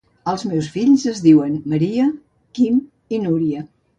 Els meus fills es diuen Maria, Quim i Núria.